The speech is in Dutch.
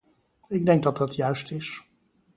Ik denk dat dat juist is.